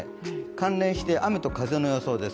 関連して雨と風の予想です。